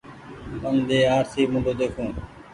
من ۮي آرسي موُڍو ۮيکون